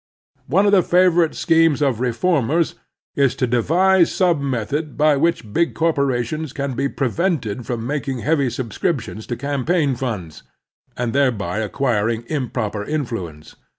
One of the favorite schemes of reformers is to devise some method by which big corporations can be prevented from making heavy subscriptions to campaign fimds, and thereby acquiring improper influence.